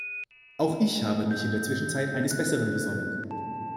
Auch ich habe mich in der Zwischenzeit eines Besseren besonnen.